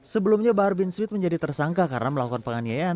sebelumnya bahar bin smith menjadi tersangka karena melakukan penganiayaan